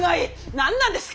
何なんですか？